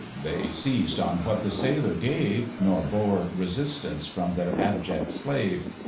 they had seized on what the sailor gave, Nor bore resistance from their abject slave.